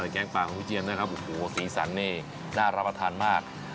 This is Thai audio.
แก๊งปลาจ๊ะ